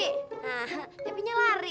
nah cepinya lari